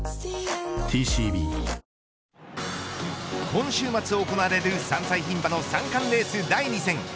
今週末行われる３歳牝馬の三冠レース第２戦。